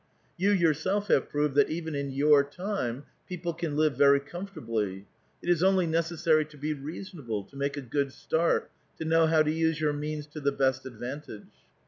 You yourself have proved that even in your time people can live very comfortably. It is only necessary to be reasonable, to make a good start, to know how to use your means to the best advantage."